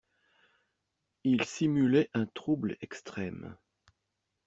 Il simulait un trouble extrême.